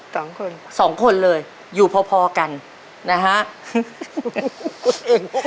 สองคนสองคนเลยอยู่พอพอกันนะฮะโอ้โอ้โอ้โอ้โอ้